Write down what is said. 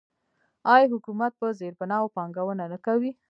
آیا حکومت په زیربناوو پانګونه نه کوي؟